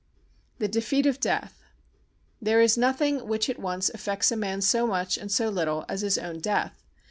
The Defeat of Death There is nothing which at once affects a man so much and so little as his own death.